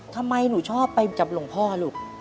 ทำไมหนูชอบไปกับหลวงพ่อลูก